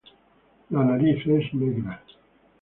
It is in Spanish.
La nariz es negra.